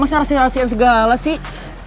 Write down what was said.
masa rahasia segala sih